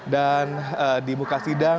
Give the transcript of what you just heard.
dan di muka sidang